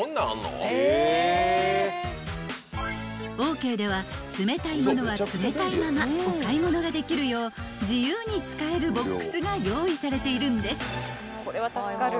［オーケーでは冷たいものは冷たいままお買い物ができるよう自由に使えるボックスが用意されているんです］